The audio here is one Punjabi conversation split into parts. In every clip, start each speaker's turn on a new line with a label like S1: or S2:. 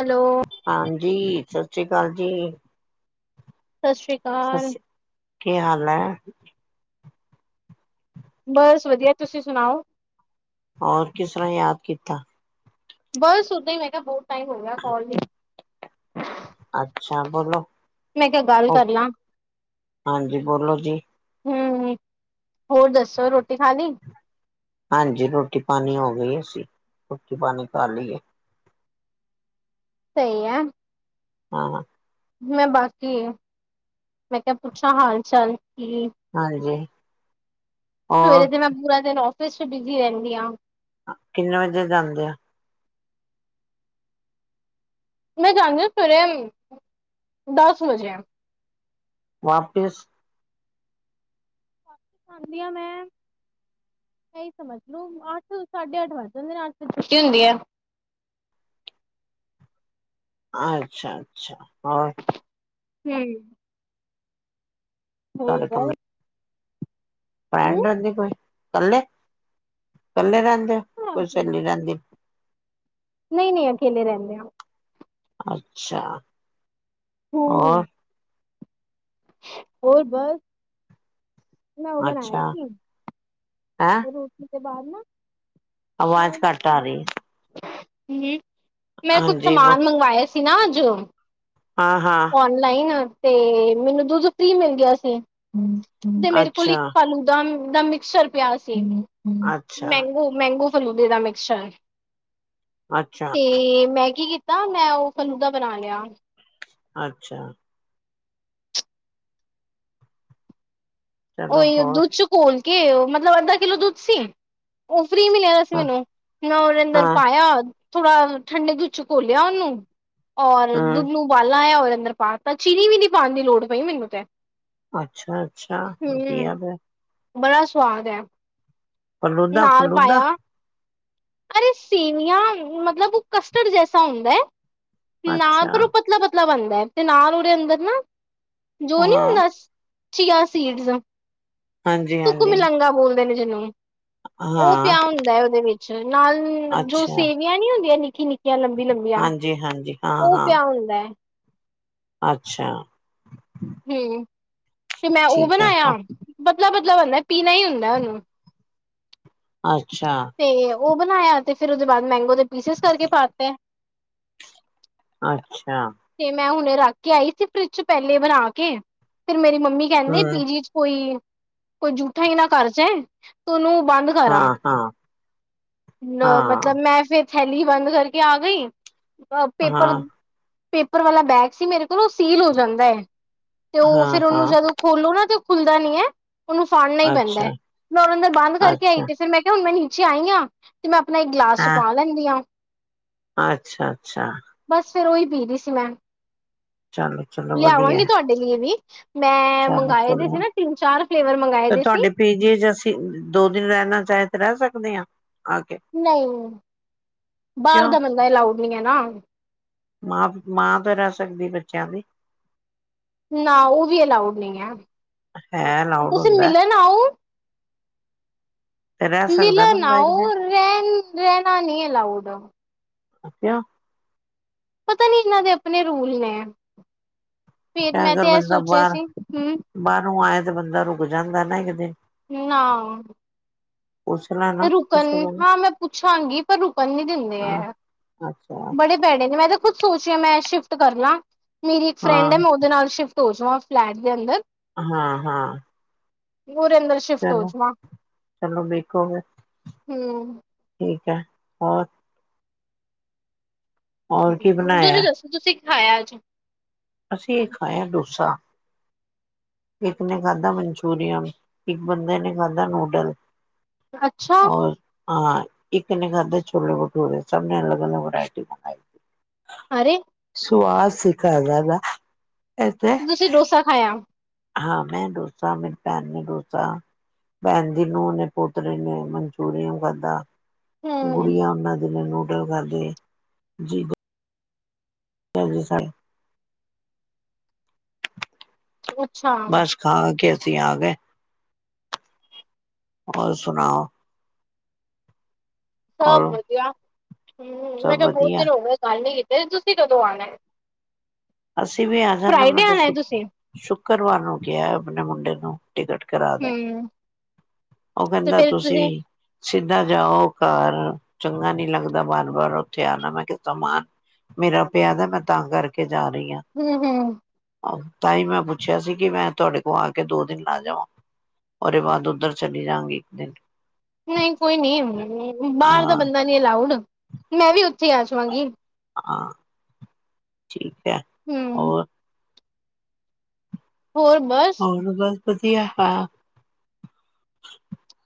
S1: ਹੈਲੋ
S2: ਹਾਂਜੀ, ਸਤਿ ਸ੍ਰੀ ਅਕਾਲ ਜੀ
S1: ਸਤਿ ਸ੍ਰੀ ਅਕਾਲ।
S2: ਸਤਿ ਕੀ ਹਾਲ ਹੈ?
S1: ਬਸ ਵਧੀਆ, ਤੁਸੀਂ ਸੁਣਾਓ?
S2: ਹੋਰ, ਕਿਸ ਤਰ੍ਹਾਂ ਯਾਦ ਕੀਤਾ?
S1: ਬਸ ਉਦਾਂ ਹੀ, ਮੈਂ ਕਿਹਾ ਬਹੁਤ ਟਾਈਮ ਹੋ ਗਿਆ ਕਾਲ ਨਹੀਂ
S2: ਅੱਛਾ ਬੋਲੋ,
S1: ਮੈਂ ਕਿਹਾ ਗੱਲ ਕਰ ਲਾਂ।
S2: ਹਾਂਜੀ, ਬੋਲੋ ਜੀ
S1: ਹੂੰ, ਹੋਰ ਦੱਸੋ, ਰੋਟੀ ਖਾ ਲਈ?
S2: ਹਾਂਜੀ, ਰੋਟੀ ਪਾਣੀ ਹੋ ਗਈ ਏ, ਅਸੀਂ ਰੋਟੀ ਪਾਣੀ ਖਾ ਲੀ ਏ।
S1: ਸਹੀ ਹੈ।
S2: ਹਾਂ।
S1: ਮੈਂ ਬੱਸ ਚ ਗਈ ਮੈਂ ਕਿਆ ਪੁੱਛਾਂ ਹਾਲ- ਚਾਲ ਕੀ?
S2: ਹਾਂਜੀ
S1: ਸਵੇਰੇ
S2: ਹੋਰ?
S1: ਤੇ ਮੈਂ ਪੂਰਾ ਦਿਨ ਆਫ਼ਿਸ ਬਿਜ਼ੀ ਰਹਿੰਦੀ ਆ।
S2: ਅ ਕਿੰਨੇ ਵਜੇ ਜਾਂਦੇ ਆ?
S1: ਮੈਂ ਜਾਨੀ ਆਂ ਸਵੇਰੇ, ਦਸ ਵਜੇ।
S2: ਵਾਪਿਸ?
S1: ਆਦੀ ਆਂ ਮੈਂ ਏਈ ਸਮਝ ਲੋ, ਅੱਠ, ਸਾਢੇ ਅੱਠ ਵੱਜ ਜਾਂਦੇ ਨੇ ਅੱਠ ਵਜੇ ਛੁੱਟੀ ਹੁੰਦੀ ਐ।
S2: ਅੱਛਾ-ਅੱਛਾ, ਹੋਰ?
S1: ਹੂੰ। ਹੇ
S2: ਤੁਹਾਡੇ
S1: ਗੱਲ?
S2: ਕਮਰੇ ਫਰੈਂਡ ਰੈਂਦੀ ਕੋਈ? ਕੱਲੇ, ਕੱਲੇ ਰੈਂਦੇ ਓ, ਕੋਈ ਸੇਲੀ ਰੈਂਦੀ?
S1: ਨਈਂ-ਨਈਂ ਅਕੇਲੇ ਰੈਨੇ ਆਂ।
S2: ਅੱਛਾ,
S1: ਹੂੰ,
S2: ਔਰ?
S1: ਹੋਰ ਬਸ, ਮੈਂ ਉਹ ਬਣਾਇਆ
S2: ਅੱਛਾ
S1: ਸੀ,
S2: ਹੈਂ
S1: ਜਰੂਰ। ਬਾਰ ਨਾ, ਮੈਂ
S2: ਆਵਾਜ਼
S1: ਓ,
S2: ਘੱਟ ਆ ਰਹੀ
S1: [unintelligible] ਹੂੰ-ਹੂੰ। ਮੈਂ ਕੁੱਛ
S2: ਹਾਂਜੀ
S1: ਸਮਾਨ ਮੰਗਾਏਆ ਸੀ ਨਾ ਜੋ।
S2: ਹਾਂ-ਹਾਂ।
S1: ਲਾਈਨ ਆ ਤੇ ਮੈਨੂੰ ਦੁੱਦ ਫਰੀ ਮਿਲ ਗਿਆ ਸੀ, ਤੇ ਮੇਰੇ ਕੋਲ ਇੱਕ
S2: ਅੱਛਾ
S1: ਫਾਲੂਦਾ ਦਾ-ਦਾ ਮਿਕਸਚਰ ਪਿਆ ਸੀ,
S2: ਅੱਛਾ,
S1: ਮੈਂਗੋ। ਮੈਂਗੋ-ਫਲੂਦੇ ਦਾ ਮਿਕਸਚਰ,
S2: ਅੱਛਾ,
S1: ਤੇ ਮੈਂ ਕੀ ਕੀ ਤਾ ਮੈਂ ਓਹ ਫਲੂਦਾ ਬਣਾ ਲਿਆ।
S2: ਅੱਛਾ। ਚਲੋ
S1: ਓਹੀਓ
S2: ਹੋਰ
S1: ਦੁੱਦ ਚ ਘੋਲ ਕੇ, ਮਤਲਬ ਅੱਦਾ ਕਿੱਲੋ ਦੁੱਦ ਸੀ। ਓਹ ਫਰੀ ਮਿਲਿਆ ਵਿਆ ਸੀ ਮੈਨੂੰ, ਮੈਂ ਓਹਦੇ ਅੰਦਰ
S2: ਹਾਂ
S1: ਪਾਇਆ। ਥੋੜਾ ਠੰਡੇ ਦੁੱਦ ਚ ਘੋਲਿਆ ਓਨੂੰ, ਔਰ
S2: ਹੂੰ
S1: ਦੁੱਦ ਨੂੰ ਉਬਾਲਾ ਆਇਆ ਓਹਦੇ ਅੰਦਰ ਪਾ ਤਾ, ਚੀਨੀ ਵੀ ਨੀ ਪਾਣ ਦੀ ਲੋੜ ਪਈ ਮੈਨੂੰ ਤੇ।
S2: ਅੱਛਾ। ਅੱਛਾ
S1: ਹੂੰ,
S2: ਵਧੀਆ ਫੇਰ
S1: ਬੜਾ ਸਵਾਦ ਐ।
S2: ਫਲੂਦਾ-ਫਲੂਦਾ।
S1: ਅਰੇ ਸੇਵੀਆਂ ਮਤਲਬ ਓਹ ਕਸਟਰਡ ਜੈਸਾ ਹੁੰਦਾ ਐ, ਨਾ
S2: ਅੱਛਾ
S1: ਪਰ ਓਹ ਪਤਲਾ-ਪਤ ਤਲਾ ਬਣਦਾ ਐ, ਤੇ ਨਾਲ ਓਦੇ ਅੰਦਰ ਨਾ, ਜੋ ਓ ਨਈਂ
S2: ਹਾਂ
S1: ਹੁੰਦਾ ਚੀਆ ਸੀਡਜ਼
S2: ਹਾਂਜੀ,
S1: ਤੁਕ
S2: ਹਾਂਜੀ
S1: ਮਿਲੰਗਾ ਬੋਲਦੇ ਨੇ ਜਿਨੂੰ। ਓਹ
S2: ਹਾਂ
S1: ਪਿਆ ਹੁੰਦਾ ਐ ਓਦੇ ਵਿੱਚ ਨਾਲ ਜੋ
S2: ਅੱਛਾ
S1: ਸੇਵੀਆਂ ਨੀ ਹੁੰਦੀਆਂ ਨਿੱਕੀ-ਨਿ ਕੀਆ, ਲੰਬੀ-ਲੰਬੀਆਂ।
S2: ਜੀ ਹਾਂਜੀ। ਹਾਂ,
S1: ਓ ਪਿਆ
S2: ਹਾਂ
S1: ਹੁੰਦਾ ਐ।
S2: ਅੱਛਾ।
S1: ਹੂੰ ਤੇ ਮੈਂ ਓਹ
S2: ਠੀਕ ਹੈ
S1: ਬਣਾਇਆ, ਪਤਲਾ-ਪਤਲਾ ਬਣਦਾ ਐ, ਪੀਣਾ ਈ ਹੁੰਦਾ ਓਨੂੰ।
S2: ਅੱਛਾ।
S1: ਤੇ ਓਹ ਬਣਾਇਆ ਤੇ ਫਿਰ ਓਦੇ ਬਾਦ ਮੈਂਗੋ ਦੇ ਪੀਸਿਸ ਕਰਕੇ ਪਾਤੇ।
S2: ਅੱਛਾ।
S1: ਤੇ ਮੈਂ ਹੁਣੇ ਰੱਖ ਕੇ ਆਈ ਸੀ ਫਰਿਜ ਚ ਪੈਲੇ ਬਣਾ ਕੇ ਫਿਰ ਮੇਰੀ ਮੰਮੀ ਕੈਂਦੀ
S2: ਹੂੰ
S1: ਪੀਜੀ ਚ ਕੋਈ, ਕੋਈ ਜੂਠਾ ਈ ਨਾ ਕਰ ਜੇ, ਤੂੰ ਓਨੂੰ ਬੰਦ
S2: ਹਾਂ-ਹਾਂ।
S1: ਨ ਮਤਲਬ ਮੈਂ ਫਿਰ ਥੈਲੀ ਬੰਦ ਕਰਕੇ ਆ ਗਈ ਅ ਪੇਪਰ
S2: ਹਾਂ,
S1: ਪੇਪਰ ਵਾਲਾ ਬੈਗ ਸੀ ਮੇਰੇ ਕੋਲ ਓ ਸੀਲ ਹੋ ਜਾਂਦਾ ਐ ਤੇ ਓਹ
S2: ਹਾਂ,
S1: ਫਿਰ ਓਨੂੰ
S2: ਹਾਂ
S1: ਜਦੋ ਖੋਲੋ ਨਾ ਤੇ ਓ ਖੁੱਲਦਾ ਨੀ ਐ, ਓਨੂੰ ਸਾੜਨਾ ਈ ਪੈਂਦਾ ਐ,
S2: ਅੱਛਾ,
S1: ਮੈਂ ਓਨੂੰ ਅੰਦਰ ਬੰਦ ਕਰਕੇ ਆਈ
S2: ਅੱਛਾ
S1: ਤੇ। ਫਿਰ ਮੈਂ ਕਿਹਾ ਹੁਣ ਮੈਂ ਨੀਚੇ ਆਈ ਆਂ ਤੇ ਮੈਂ ਆਪਣਾ ਇੱਕ ਗਲਾਸ ਚ
S2: ਹਾਂ
S1: ਪਾ ਲੈਂਨੀ ਆਂ
S2: ਅੱਛਾ ਅੱਛਾ
S1: ਬਸ ਫਿਰ ਓਹੀ ਪੀ ਰਹੀ ਸੀ ਮੈਂ
S2: ਚਲੋ, ਚਲੋ ਵਧੀਆ
S1: ਲਿਆਵਾਂਗੀ ਤੁਹਾਡੇ ਲਈ ਵੀ ਮੈਂ
S2: ਚਲੋ,
S1: ਮੰਗਾਵੇ ਸੀ ਨਾ ਤਿੰਨ ਚਾਰ ਫਲੇਵਰ ਮੰਗਵਾਏ ਵੇ ਸੀ
S2: ਪੀਜੇ ਚ ਅਸੀਂ ਦੋ ਦਿਨ ਰਹਿਣਾ ਚਾਹੇ ਤੇ ਰਹਿ ਸਕਦੇ ਆਂ
S1: ਨਹੀਂ ਬਾਹਰ
S2: ਕਿਉਂ
S1: ਦਾ ਬੰਦਾ ਐਲਾਊਡ ਨਹੀਂ ਐ ਨਾ
S2: ਮਾਂ ਮਾਂ ਤਾਂ ਰਹਿ ਸਕਦੀ ਬੱਚਿਆਂ ਦੀ
S1: ਨਾ ਉਹ ਵੀ ਅਲਾਊਡ ਨਹੀਂ ਐ
S2: ਹੈ
S1: ਹਮ
S2: ਅਲਾਊਡ
S1: ਤੁਸੀਂ
S2: ਹੁੰਦਾ
S1: ਮਿਲਣ ਆਓ
S2: ਤੇ ਰਹਿ ਸਕਦਾ
S1: ਲਿਲਣ
S2: ਬੰਦਾ ਇੱਕ
S1: ਆਓ
S2: ਦਿਨ
S1: ਰਹਿਣ ਰਹਿਣਾ ਨੀ ਅਲਾਉਡ
S2: ਕਿਉਂ
S1: ਪਤਾ ਨੀ ਇਹਨਾਂ ਦੇ ਆਪਣੇ ਰੂਲ ਨੇ ਫੇਰ ਮੈਂ
S2: ਅਗਰ
S1: ਤੇ ਐ
S2: ਬੰਦਾ
S1: ਸੋਚਿਆ
S2: ਬਾਹਰ
S1: ਸੀ ਹਮ
S2: ਬਾਹਰੋਂ ਆਇਆ ਤੇ ਬੰਦਾ ਰੁਕ ਜਾਂਦਾ ਨਾ ਇੱਕ ਦਿਨ
S1: ਨਾਂ
S2: ਪੁੱਛ ਲੈਣਾ
S1: ਰੁਕਣ
S2: ਕਿਸੇ ਕੋਲ
S1: ਹਾਂ ਮੈਂ ਪੁੱਛਾਂਗੀ ਪਰ ਰੁਕਣ ਨੀ ਦਿੰਦੇ
S2: ਹਾਂ
S1: ਐ
S2: ਅੱਛਾ
S1: ਬੜੇ [unintelligible] ਭੈੜੇ ਨੇ ਮੈਂ ਤਾਂ ਖੁਦ ਸੋਚ ਰੀ ਆਂ ਮੈਂ ਸ਼ਿਫਟ ਕਰ ਲਾਂ ਮੇਰੀ ਇੱਕ ਫਰੈਂਡ
S2: ਹਾਂ
S1: ਐ, ਮੈਂ ਉਹਦੇ ਨਾਲ ਸ਼ਿਫਟ ਹੋ ਜਾਵਾਂ ਫਲੈਟ ਦੇ ਅੰਦਰ
S2: ਹਾਂ ਹਾਂ
S1: ਗਰੇਦਰ- [unintelligible]
S2: ਚਲੋ, ਚਲੋ ਵੇਖੋ ਫੇਰ
S1: ਹਮ
S2: ਠੀਕ ਐ ਹੋਰ
S1: ਮ
S2: ਹੋਰ ਕੀ
S1: ਮ ਤੁਸੀਂ
S2: ਬਣਾਇਆ
S1: ਦੱਸੋ ਤੁਸੀਂ ਕੀ ਖਾਇਆ ਅੱਜ
S2: ਅਸੀ ਏ ਖਾਇਆ ਡੋਸਾ ਇੱਕ ਨੇ ਖਾਧਾ ਮਨਚੂਰੀਅਨ ਇੱਕ ਬੰਦੇ ਨੇ ਖਾਧਾ ਨੂਡਲ
S1: ਅੱਛਾ
S2: ਔਰ ਹਾਂ ਇੱਕਨੇ ਖਾਧਾ ਛੋਲੇ ਭਟੂਰੇ ਸਭ ਨੇ ਅਲਗ ਅਲਗ ਵਰਾਇਟੀ ਮੰਗਾਈ
S1: ਅਰੇ
S2: ਸੁਵਾਦ ਸਿਖਾਦਾ ਨਾ [unintelligible]
S1: ਤੁਸੀਂ ਡੋਸਾ ਖਾਇਆ
S2: ਹਾਂ ਮੈਂ ਡੋਸਾ ਮੇਰੀ ਭੈਣ ਨੇ ਡੋਸਾ ਭੈਣ ਦੀ ਨੂੰਹ ਨੇ ਪੋਤਰੇ ਨੇ ਮਨਚੂਰੀਅਨ ਖਾਧਾ
S1: ਹਮ
S2: ਗੁੜੀਆ ਉਹਨਾਂ ਦੀ ਨੇ ਨੂਡਲ ਖਾਧੇ ਜੀ ਭੈਣ ਜੀ ਸਰ
S1: ਚ। [unintelligible]
S2: ਬਸ ਖਾ ਕੇ ਅਸੀਂ ਆ ਗਏ ਹੋਰ ਸੁਨਾਓ
S1: ਸਭ
S2: ਔਰ
S1: ਵਧੀਆ ਹਮ ਮੈਂ
S2: ਸਭ
S1: ਕਿਹਾ ਬਹੁਤ
S2: ਵਧੀਆ
S1: ਦਿਨ ਹੋ ਗਏ ਗੱਲ ਨੀ ਕੀਤੀ ਤੁਸੀਂ ਕਦੋਂ ਆਉਣਾ ਐ
S2: ਅਸੀਂ ਵੀ ਆ ਜਾਨਾ
S1: ਆਣਾ
S2: ਮਤਲਬ
S1: ਤੁਸੀਂ
S2: ਸ਼ੁੱਕਰਵਾਰ ਨੂੰ ਕਿਹਾ ਆਪਣੇ ਮੁੰਡੇ ਨੂੰ ਟਿਕਟ ਕਰਾ ਦੇ
S1: ਹਮ
S2: ਉਹ
S1: ਤੇ
S2: ਕਹਿੰਦਾ
S1: ਫਿਰ
S2: ਤੁਸੀਂ ਸਿੱਧਾ ਜਾਓ ਘਰ ਚੰਗਾ ਨਹੀਂ ਲੱਗਦਾ ਵਾਰ ਵਾਰ ਉੱਥੇ ਆਣਾ ਮੈਂ ਕਿਹਾ ਸਮਾਨ ਮੇਰਾ ਪਿਆ ਦਾ ਮੈਂ ਤਾਂ ਕਰਕੇ ਜਾ ਰਹੀ ਆਂ
S1: ਹਮ ਹਮ
S2: ਆਹ ਤਾਂ ਹੀ ਮੈਂ ਪੁੱਛਿਆ ਸੀ ਕਿ ਮੈਂ ਤੁਹਾਡੇ ਕੋਲ ਆ ਕੇ ਦੋ ਦਿਨ ਲਾ ਜਾਵਾਂ ਉਹਦੇ ਬਾਅਦ ਉੱਧਰ ਚਲੀ ਜਾਂਗੀ ਇੱਕ ਦਿਨ
S1: ਨਹੀਂ ਕੋਈ ਨੀ [unintelligible] ਬਾਹਰ ਦਾ
S2: ਹਾਂ
S1: ਬੰਦਾ ਨੀ ਅਲਾਊਡ ਮੈਂ ਵੀ ਉੱਥੇ ਆ ਜਾਵਾਂਗੀ
S2: ਆਂ ਠੀਕ ਹੈ
S1: ਹਮ
S2: ਓਰ
S1: ਹੋਰ, ਬਸ
S2: ਬਸ, ਵਧੀਆ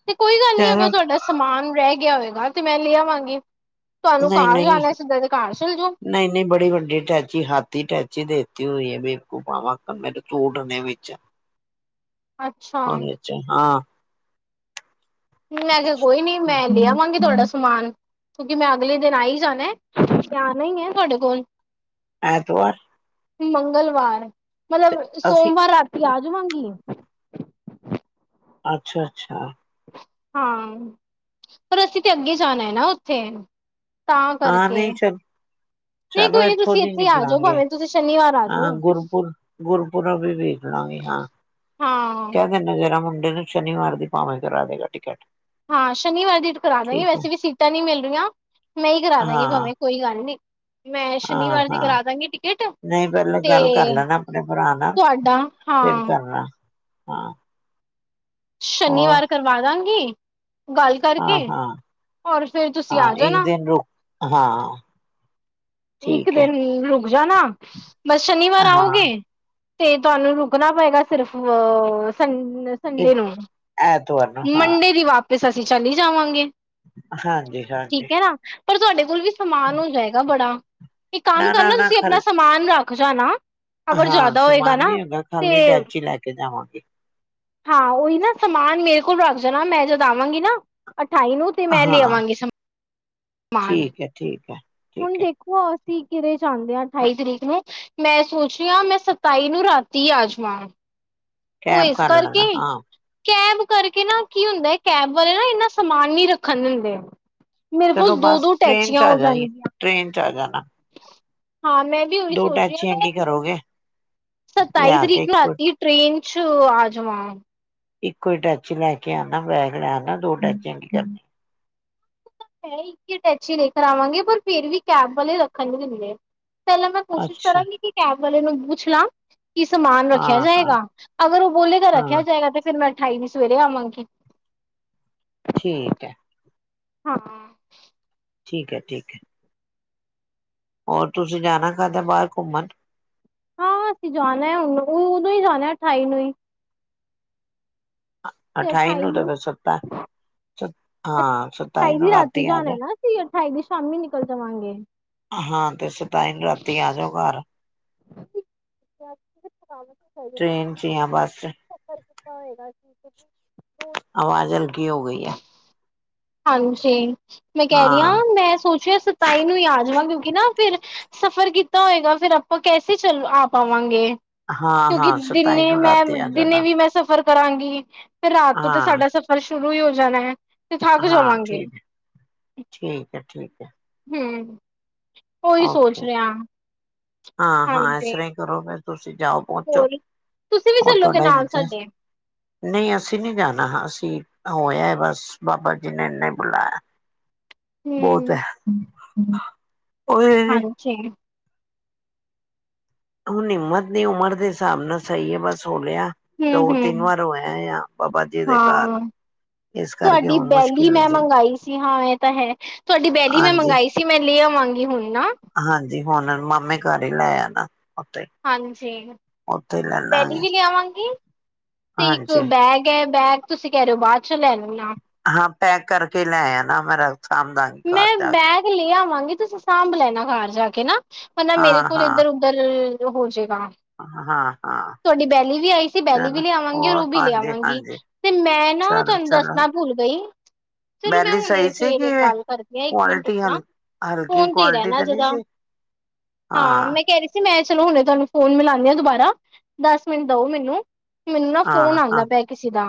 S1: ਤੇ ਕੋਈ ਗੱਲ ਨੀ, ਅਗਰ
S2: ਚਲੋ
S1: ਤੁਹਾਡਾ ਸਮਾਨ ਰਹਿ ਗਿਆ ਹੋਏਗਾ ਤੇ ਮੈਂ ਲੈ ਆਵਾਂਗੀ। ਤੁਹਨੂੰ
S2: ਨਹੀਂ
S1: ਕਾਰ
S2: ਨਹੀਂ
S1: ਜਾਣੇ, ਸੀਧਾ ਤੇ ਕਾਰ ਚਲ ਜਾਓ।
S2: ਨਹੀਂ ਨਹੀਂ ਬੜੀ ਵੱਡੀ ਅਟੈਚੀ, ਹਾਥੀ ਅਟੈਚੀ ਦੇਤੀ ਹੋਈ ਹੈ ਬੇਵਕੂਫਾਂ ਵਾਕਣ, ਮੇਰੇ ਸੂਟ ਨੇ ਵਿੱਚ
S1: ਅੱਛਾ।
S2: ਅੱਛਾ, ਹਾਂ।
S1: ਮੈਂ ਕਿਹਾ ਕੋਈ ਨੀ, ਮੈਂ ਦੇ ਆਵਾਂਗੀ ਤੁਹਾਡਾ ਸਮਾਨ ਕਿਉਂਕਿ ਮੈਂ ਅਗਲੇ ਦਿਨ ਆ ਹੀ ਜਾਣਾ, ਆਉਣਾ ਹੀ ਹੈ ਤੁਹਾਡੇ ਕੋਲ
S2: ਐਤਵਾਰ?
S1: ਮੰਗਲਵਾਰ, ਮਤਲਬ
S2: ਅਸੀਂ
S1: ਸੋਮਵਾਰ ਰਾਤੀ ਆ ਜਾਵਾਂਗੀ
S2: ਅੱਛਾ, ਅੱਛਾ।
S1: ਹਾਂ, ਪਰ ਅਸੀਂ ਤੇ ਅੱਗੇ ਜਾਣਾ ਹੈ ਨਾ ਉੱਥੇ ਤਾਂ
S2: ਹਾਂ
S1: ਕਰਕੇ।
S2: ਨਹੀਂ ਚੱਲ,
S1: ਨਹੀਂ
S2: ਚਲੋ
S1: ਕੋਈ ਨੀ
S2: ਇੱਥੋਂ
S1: ਤੁਸੀਂ
S2: ਦੀ
S1: ਇੱਥੇ ਆ ਜਾਓ
S2: ਨਿਕਲਾਂਗੇ।
S1: ਭਾਵੇਂ ਤੁਸੀਂ ਸ਼ਨੀਵਾਰ ਆ
S2: ਹਾਂ
S1: ਜਾਓ,
S2: ਗੁਰਪੁਰਬ, ਗੁਰਪੁੁਰਬ ਵੀ ਵੇਖ ਲਾਂਗੇ ਹਾਂ,
S1: ਹਾਂ।
S2: ਕਹਿ ਦਿੰਦੇ ਮੈ ਜ਼ਰਾ ਮੁੰਡੇ ਨੂੰ, ਸ਼ਨੀਵਾਰ ਦੀ ਭਾਵੇਂ ਕਰਾ ਦੇਗਾ ਟਿਕਟ
S1: ਹਾਂ ਸ਼ਨੀਵਾਰ ਦੀ ਕਰਾ ਦਾਂਗੀ,
S2: ਠੀਕ ਹੈ
S1: ਵੈਸੇ ਵੀ ਸੀਟਾਂ ਨੀ ਮਿਲ ਰਹੀਆਂ, ਮੈਂ ਹੀ ਕਰਾ ਦਾਂਗੀ,
S2: ਹਾਂ
S1: ਭਾਵੇਂ ਕੋਈ ਗੱਲ ਨੀ। ਮੈਂ
S2: ਹਾਂ
S1: ਸ਼ਨੀਵਾਰ ਦੀ
S2: ਹਾਂ
S1: ਕਰਾ ਦਾਂਗੀ ਟਿਕਟ,
S2: ਨਹੀਂ ਪਹਿਲੇ ਗੱਲ
S1: ਤੇ ਤੁਹਾਡਾ
S2: ਟਿਕਟ
S1: ਹਾਂ
S2: ਦਾ, ਹਾਂ ਹੋਰ
S1: ਸ਼ਨੀਵਾਰ ਕਰਵਾ ਦਾਂਗੀ ਗੱਲ
S2: ਹਾਂ
S1: ਕਰਕੇ,
S2: ਹਾਂ
S1: ਹੋਰ ਫੇਰ ਤੁਸੀਂ
S2: ਹਾਂ
S1: ਆ
S2: ਇੱਕ
S1: ਜਾਣਾ।
S2: ਦਿਨ ਰੁਕ ਹਾਂ।
S1: ਇੱਕ
S2: ਠੀਕ ਹੈ
S1: ਦਿਨ ਰੁਕ ਜਾਣਾ, ਬਸ ਸ਼ਨੀਵਾਰ
S2: ਹਾਂ
S1: ਆਉਗੇ ਤੇ ਤੁਹਾਨੂੰ ਰੁਕਣਾ ਪਏਗਾ, ਸਿਰਫ ਅ ਸੰ
S2: ਇੱਕ
S1: ਸੰਡੇ ਨੂੰ,
S2: ਐਤਵਾਰ ਨੂੰ ਹਾਂ
S1: ਮੰਡੇ ਦੀ ਵਾਪ ਫ ਅਸੀਂ ਚੱਲ ਹੀ ਜਾਵਾਂਗੇ,
S2: ਹਾਂਜੀ ਹਾਂਜੀ
S1: ਠੀਕ ਹੈ ਨਾ, ਪਰ ਤੁਹਾਡੇ ਕੋਲ ਵੀ ਸਮਾਨ ਹੋ ਜਾਏਗਾ ਬੜਾ, ਇੱਕ ਕੰਮ
S2: ਨਾ ਨਾ
S1: ਕਰਨਾ,
S2: ਨਾ
S1: ਤੁਸੀਂ ਆਪਣਾ
S2: ਖਾਲੀ
S1: ਸਮਾਨ ਰੱਖ ਜਾਣਾ ਅਗਰ
S2: ਹਾਂ
S1: ਜ਼ਿਆਦਾ ਹੋਏਗਾ
S2: ਸਮਾਨ
S1: ਨਾ
S2: ਨੀ ਹੈਗਾ,
S1: ਤੇ
S2: ਖਾਲੀ ਡੈਚੀ ਲੈ ਕੇ ਜਾਵਾਂਗੇ।
S1: ਹਾਂ ਉਹੀ ਨਾ ਸਮਾਨ ਮੇਰੇ ਕੋਲ ਰੱਖ ਜਾਣਾ, ਮੈਂ ਜਦ ਆਵਾਂਗੀ ਨਾ ਅਠਾਈ ਨੂੰ, ਤੇ ਮੈਂ ਲੈ
S2: ਹਾਂ
S1: ਆਵਾਂਗੀ ਸਮਾਨ ਮ
S2: ਠੀਕ ਹੈ ਠੀਕ ਹੈ ਠੀਕ ਹੈ।
S1: ਹੁਣ ਦੇਖੋ, ਅਸੀਂ ਕਿਰੇ ਜਾਂਦੇ ਹਾਂ ਅਠਾਈ ਤਰੀਕ ਨੂੰ ਮੈਂ ਸੋਚ ਰਹੀ ਹਾਂ, ਮੈਂ ਸਤਾਈ ਨੂੰ ਰਾਤੀ ਆਜਵਾਂ ਉਹ,
S2: ਕੈਬ
S1: ਇਸ
S2: ਕਰ
S1: ਕਰਕੇ
S2: ਲੈਣਾ ਹਾਂ
S1: ਕੈਬ ਕਰਕੇ ਨਾ ਕੀ ਹੁੰਦਾ ਹੈ, ਕੈਬ ਵਾਲੇ ਨਾ ਇਨਾ ਸਮਾਨ ਨੀ ਰੱਖਣ ਦਿੰਦੇ। ਮੇਰੇ
S2: ਚਲੋ
S1: ਕੋਲ, ਦੋ
S2: ਬਸ
S1: ਦੋ
S2: ਟ੍ਰੇਨ ਚ
S1: ਟੈਚੀਆਂ
S2: ਆ
S1: ਹੋ
S2: ਜਾਈਏ
S1: ਜਾਣਗੀਆਂ।
S2: ਟ੍ਰੇਨ 'ਚ ਆ ਜਾਣਾ।
S1: ਹਾਂ, ਮੈਂ ਵੀ ਉਹੀ
S2: ਦੋ
S1: ਸੋਚ ਰਹੀ ਹਾਂ
S2: ਟੈਚੀਆਂ ਕੀ
S1: ਮੈਂ
S2: ਕਰੋਗੇ?
S1: ਸਤਾਈ
S2: ਲਿਆ ਕੇ
S1: ਤਰੀਕ ਨੂੰ
S2: ਇੱਕੋ
S1: ਰਾਤੀ, ਟ੍ਰੇਨ 'ਚ ਆ ਜਾ ਵਾਂ।
S2: ਇੱਕੋ ਹੀ ਟੱਚ ਲੈ ਕੇ ਆਉਣਾ, ਬੈਗ ਲੈ ਆਉਣਾ, ਦੋ
S1: ਹਮ
S2: ਟੈਚੀਆਂ ਕੀ ਕਰਨੇ
S1: ਮੈਂ ਇੱਕ 'ਅ ਟੈਕਚੀ ਲੈ ਕਰ ਆਵਾਂਗੇ, ਪਰ ਫੇਰ ਵੀ ਕੈਬ ਵਾਲੇ ਰੱਖਣ ਨਹੀ ਦਿੰਦੇ। ਪਹਿਲਾਂ ਮੈਂ ਕੋਸ਼ਿਸ਼
S2: ਅੱਛਾ
S1: ਕਰਾਂਗੀ, ਕਿ ਕੈਬ ਵਾਲੇ ਨੂੰ ਪੁੱਛ ਲਾਂ ਕੀ ਸਮਾਨ ਰੱਖਿਆ
S2: ਹਾਂ
S1: ਜਾਏਗਾ,
S2: ਹਾਂ
S1: ਅਗਰ ਉਹ ਬੋਲੇਗਾ ਰੱਖਿਆ
S2: ਹਾਂ
S1: ਜਾਏਗਾ, ਤੇ ਫਿਰ ਮੈਂ ਅਠਾਈ ਵੀ ਸਵੇਰੇ ਆਵਾਂਗੀ।
S2: ਠੀਕ ਹੈ।
S1: ਹਾਂ।
S2: ਠੀਕ ਐ ਠੀਕ ਐ। ਹੋਰ ਤੁਸੀਂ ਜਾਣਾ ਖਾਧਾ ਬਾਹਰ ਘੁੰਮਣ।
S1: ਹਾਂ ਅਸੀਂ ਜਾਣਾ ਹੁਣ ਉਦੋਂ ਹੀ ਜਾਣਾ ਅਠਾਈ ਨੂੰ ਹੀ। ਤੇ ਅਠਾਈ
S2: ਤਾਂ
S1: ਨੂੰ,
S2: ਫਿਰ ਸੱਤਾ ਹਾਂ ਸਤਾਈ
S1: ਅਠਾਈ ਦੀ
S2: ਨੂੰ
S1: ਰਾਤੀ
S2: ਆ
S1: ਜਾਣਾ
S2: ਜਾ
S1: ਨਾ ਅ ਤੇ ਅਠਾਈ ਦੀ ਸ਼ਾਮੀ ਨਿਕਲ ਜਾਵਾਂਗੇ।
S2: ਹਾਂ ਤੇ ਸਤਾਈ ਨੂੰ ਰਾਤੀ ਆ ਜਾਓ ਘਰ।
S1: [unintelligible]
S2: ਟ੍ਰੇਨ ਚ ਹੀ ਆ ਬਸ।
S1: ਸਫ਼ਰ ਕੀਤਾ ਹੋਏਗਾ ਠੀਕ ਐ ਜੀ [inaudible]
S2: ਆਵਾਜ਼ ਹਲਕੀ ਹੋ ਗਈ ਆ।
S1: ਹਾਂਜੀ ਮੈਂ ਕਹਿ ਰਹੀ ਹਾਂ ਮੈਂ ਸੋਚਿਆ ਸਤਾਈ ਨੂੰ ਹੀ ਆ ਜਾਵਾਂ ਕਿਉਂਕਿ ਨਾ ਫਿਰ ਸਫ਼ਰ ਕੀਤਾ ਹੋਏਗਾ ਫਿਰ ਆਪਾਂ ਕੈਸੇ ਚੱਲ ਆ ਪਾਵਾਂਗੇ।
S2: ਹਾਂ
S1: ਕਿਉਂਕਿ
S2: ਹਾਂ ਸਤਾਈ
S1: ਦਿਨੇ
S2: ਨੂੰ
S1: ਮੈਂ
S2: ਰਾਤੀ ਆ
S1: ਦਿਨੇ
S2: ਜਾਣਾ
S1: ਵੀ ਮੈਂ ਸਫ਼ਰ ਕਰਾਂਗੀ, ਫਿਰ ਰਾਤ ਤੋਂ ਤੇ
S2: ਹਾਂ
S1: ਸਾਡਾ ਸਫ਼ਰ ਸ਼ੁਰੂ ਹੀ ਹੋ ਜਾਣਾ ਐ।
S2: ਹਾਂ ਠੀਕ, ਠੀਕ ਐ ਠੀਕ ਐ।
S1: ਹੂੰ ਓਹੀ ਸੋਚ
S2: ਓਕੇ
S1: ਰਹੇ ਆ।
S2: ਹਾਂ ਹਾਂ ਇਸ ਤਰ੍ਹਾਂ ਹੀ ਕਰੋ ਫੇਰ ਤੁਸੀਂ ਜਾਓ। ਪਹੁੰਚੋ
S1: ਹੋਰ ਤੁਸੀਂ ਵੀ ਚੱਲੋਗੇ ਨਾਲ ਸਾਡੇ
S2: [inaudible] ਨਹੀਂ ਅਸੀਂ ਨਹੀਂ ਜਾਣਾ, ਅਸੀਂ ਹੋ ਆਏ ਬਸ ਬਾਬਾ ਜੀ ਨੇ ਏਨਾ ਬੁਲਾਇਆ। ਬਹੁਤ
S1: ਹੂੰ,
S2: ਹੈ ਉਹ
S1: ਹਾਂਜੀ।
S2: ਹੁਣ ਹਿੰਮਤ ਨੀ, ਉਮਰ ਦੇ ਹਿਸਾਬ ਨਾਲ ਸਹੀ ਏ ਬਸ ਹੋ ਗਿਆ।
S1: ਹਮ
S2: ਦੋ ਤਿੰਨ
S1: ਹਮ
S2: ਵਾਰ ਹੋ ਆਏ ਆ ਬਾਬਾ ਜੀ ਦੇ ਘਰ।
S1: ਹਾਂ
S2: ਇਸ ਕਰਕੇ
S1: ਤੁਹਾਡੀ
S2: ਹੁਣ
S1: ਬੈਲੀ
S2: ਮੁਸ਼ਕਿਲ
S1: ਮੈਂ
S2: ਜੀ
S1: ਮੰਗਾਈ ਸੀ, ਹਾਂ ਇਹ ਤਾਂ ਹੈ, ਤੁਹਾਡੀ ਬੈਲੀ ਮੈਂ
S2: ਹਾਂਜੀ
S1: ਮੰਗਾਈ ਸੀ, ਮੈਂ ਲੈ ਆਵਾਂਗੀ ਹੁਣ ਨਾ।
S2: ਹਾਂਜੀ ਹੁਣ ਮਾਮੇ ਘਰ ਹੀ ਲੈ ਆਣਾ ਉੱਥੇ।
S1: ਹਾਂਜੀ।
S2: ਉੱਥੇ ਲੈ
S1: ਬੈਲੀ
S2: ਲਾਂਗੇ
S1: ਵੀ ਲਿਆਵਾਂਗੀ। ਤੇ ਇੱਕ
S2: ਹਾਂਜੀ
S1: ਬੈਗ ਐ, ਬੈਗ ਤੁਸੀਂ ਕਹਿ ਰਹੇ ਹੋ ਬਾਅਦ ਚੋਂ ਲੈ ਲੈਨਾ।
S2: ਹਾਂ ਪੈਕ ਕਰਕੇ ਲੈ ਆਨਾ ਮੇਰਾ ਸਾਮਾਨ।
S1: ਮੈਂ ਬੈਗ ਲੈ ਆਵਾਂਗੀ ਤੁਸੀਂ ਸਾਂਭ ਲੈਣਾ ਘਰ ਜਾ ਕੇ ਨਾ, ਵਰਨਾ ਮੇਰੇ
S2: ਹਾਂ
S1: ਕੋਲ
S2: ਹਾਂ
S1: ਇੱਧਰ ਉੱਧਰ ਹੋ ਜੇਗਾ।
S2: ਹਾਂ। ਹਾਂ
S1: ਤੁਹਾਡੀ ਬੈਲੀ ਵੀ ਆਈ ਸੀ, ਬੈਲੀ ਵੀ
S2: ਚੱਲ
S1: ਲਿਆਵਾਂਗੀ ਔਰ ਉਹ
S2: ਹੋਰ
S1: ਵੀ
S2: ਹਾਂਜੀ
S1: ਲਿਆਵਾਂਗੀ
S2: ਹਾਂਜੀ
S1: ਤੇ ਮੈਂ ਨਾ
S2: ਚੱਲ
S1: ਤੁਹਾਨੂੰ
S2: ਚਲੋ
S1: ਦੱਸਣਾ ਭੁਲ ਗਈ, ਚਲੋ ਮੈਂ
S2: ਬੈਲੀ ਸਹੀ
S1: ਹੁਣੇ
S2: ਸੀ
S1: ਫੇਰ
S2: ਕਿ
S1: ਗੱਲ ਕਰਦੀ ਆ ਇੱਕ ਮਿੰਟ
S2: ਕੁਆਲਿਟੀ
S1: ਰੁਕਣਾ।
S2: ਹਲ ਹਲਕੀ
S1: ਫ਼ੋਨ ਤੇ ਹੀ
S2: ਕੁਆਲਿਟੀ
S1: ਰਹਿਣਾ
S2: ਤਾਂ ਨਹੀਂ
S1: ਜ਼ਰਾ,
S2: ਸੀ
S1: ਹਾਂ ਮੈਂ ਕਹਿ ਰਹੀ ਮੈਂ ਚਲੋ ਹੁਣੇ ਤੁਹਾਨੂੰ ਫ਼ੋਨ ਮਿਲਾਉਂਣੀ ਆ ਦੁਬਾਰਾ ਦਸ ਮਿੰਟ ਦੋ ਮੈਨੂੰ। ਮੈਨੂੰ ਨਾ ਫ਼ੋਨ
S2: ਹਾਂ ਹਾਂ
S1: ਆਂਦਾ ਪਿਆ ਕਿਸੇ ਦਾ,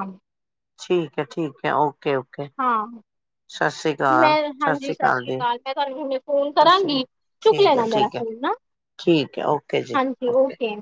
S2: ਠੀਕ ਹੈ ਠੀਕ ਹੈ ਓਕੇ ਓਕੇ
S1: ਹਾਂ।
S2: ਸਤਿ ਸੀ
S1: ਮੈਂ ਹਾਂਜੀ ਸਤਿ ਸ੍ਰੀ ਅਕਾਲ, ਮੈਂ ਤੁਹਾਨੂੰ ਹੁਣੇ ਫੋਨ
S2: ਸਤਿ
S1: ਕਰਾਂਗੀ, ਚੁੱਕ
S2: ਸ਼੍ਰੀ ਅਕਾਲ
S1: ਲੈਣਾ ਮੇਰਾ
S2: ਠੀਕ ਹੈ ਠੀਕ ਹੈ
S1: ਫ਼ੋਨ ਨਾ।
S2: ਠੀਕ ਹੈ ਓਕੇ ਜੀ
S1: ਹਾਂਜੀ ਓਕੇ।